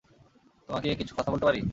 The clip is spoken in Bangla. তোমাকে কিছু কথা বলতে পারি?